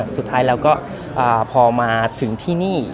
สุดท้ายแล้วก็พอมาถึงที่นี่